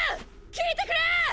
聞いてくれ！！